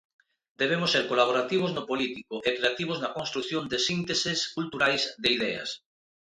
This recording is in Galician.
Debemos ser colaborativos no político e creativos na construción de sínteses culturais de ideas.